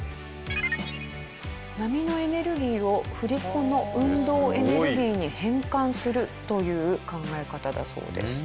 波のエネルギーを振り子の運動エネルギーに変換するという考え方だそうです。